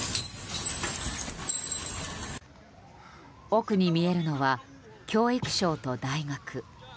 奥に見えるのは教育省と大学。